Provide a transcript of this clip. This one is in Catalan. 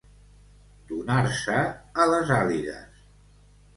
Donar-se a les àligues.